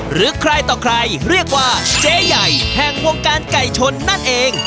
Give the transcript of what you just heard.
หรือใครต่อใครเรียกว่าเจ๊ใหญ่แห่งวงการไก่ชนนั่นเอง